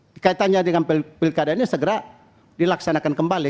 dikaitannya dengan pilkada ini segera dilaksanakan kembali